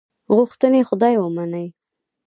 غوښتنې خدای ومني.